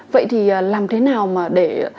vậy thì làm thế nào mà để